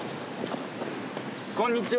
こんにちは。